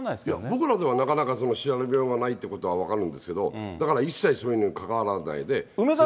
僕らではなかなか調べようがないということは分かるんですけれども、だから一切、そういうのに関わらないで。